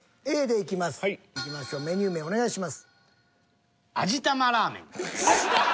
いきましょうメニュー名お願いします。